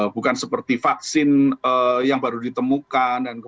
bukan seperti vaksin yang baru ditemukan